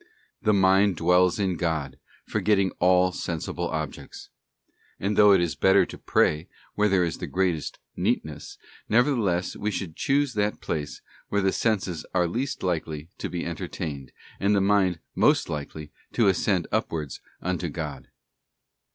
The mind dwells in God, forgetting all sensible objects. And though it is better to pray where there is the greatest neatness, nevertheless we should choose that place where the senses are least likely to be entertained, and the mind most likely to ascend upwards unto God.